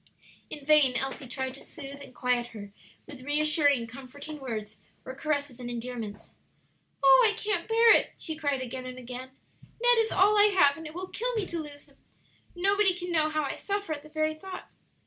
In vain Elsie tried to soothe and quiet her with reassuring, comforting words or caresses and endearments. "Oh, I can't bear it!" she cried again and again. "Ned is all I have, and it will kill me to lose him. Nobody can know how I suffer at the very thought."